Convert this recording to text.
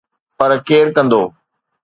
پر ڪير ڪندو؟